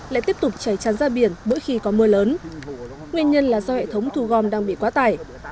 lại tiếp tục chảy tràn ra biển mỗi khi có mưa lớn nguyên nhân là do hệ thống thu gom đang bị quá tải